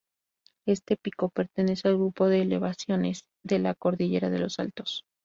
Este pico pertenece al grupo de elevaciones de la Cordillera de los Altos.